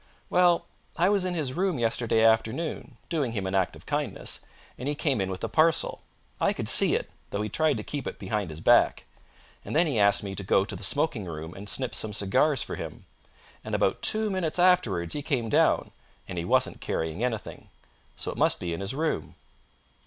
"Well, I was in his room yesterday afternoon, doing him an act of kindness, and he came in with a parcel. I could see it, though he tried to keep it behind his back. And then he asked me to go to the smoking room and snip some cigars for him; and about two minutes afterwards he came down and he wasn't carrying anything. So it must be in his room."